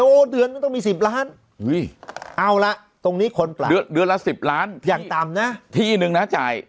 เดือนนึงต้องมี๑๐ล้านเอาละตรงนี้คนปรับเดือนละ๑๐ล้านอย่างต่ำนะที่นึงนะจ่าย